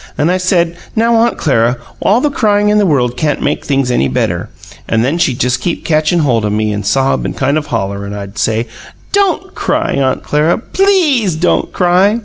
And I said, 'Now, Aunt Clara, all the crying in the world can't make things any better.' And then she'd just keep catchin' hold of me, and sob and kind of holler, and I'd say, 'DON'T cry, Aunt Clara PLEASE don't cry."'